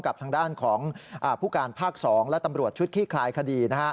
กับทางด้านของผู้การภาค๒และตำรวจชุดขี้คลายคดีนะฮะ